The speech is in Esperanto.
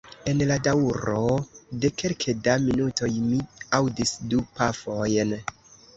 En la daŭro de kelke da minutoj mi aŭdis du pafojn.